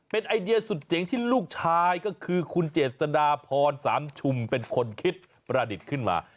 เป็นไอเดียสุดเจ๋งที่ลูกชายก็คือคุณเจษฎาพรสามชุมเป็นคนคิดประดิษฐ์ขึ้นมา